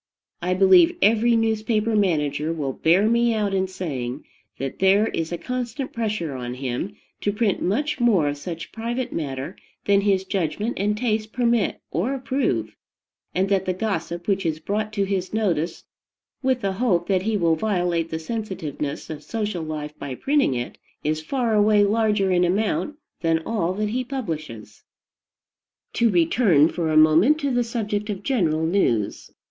I believe every newspaper manager will bear me out in saying that there is a constant pressure on him to print much more of such private matter than his judgment and taste permit or approve, and that the gossip which is brought to his notice, with the hope that he will violate the sensitiveness of social life by printing it, is far away larger in amount than all that he publishes. To return for a moment to the subject of general news.